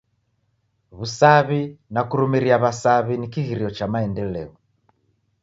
W'usaw'i na kurumiria w'asaw'i ni kighirio cha maendeleo.